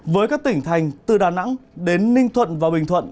với các tỉnh thành từ đà nẵng đến ninh thuận và bình thuận